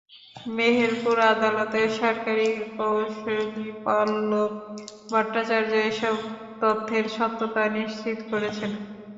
মেহেরপুর আদালতের সরকারি কৌঁসুলি পল্লব ভট্টাচার্য এসব তথ্যের সত্যতা নিশ্চিত করেছেন।